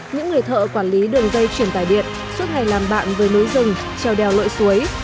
những người thợ quản lý đường dây chuyển tài điện suốt ngày làm bạn với núi rừng treo đèo lội suối